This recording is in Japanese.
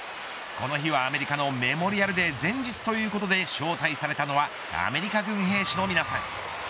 この日はアメリカのメモリアルデー前日ということで招待されたのはアメリカ軍兵士の皆さん。